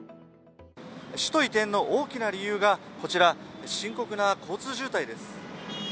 首都移転の大きな理由がこちら深刻な交通渋滞です。